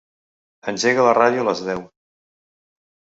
Engega la ràdio a les deu.